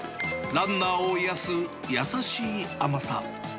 ランナーを癒やす、優しい甘さ。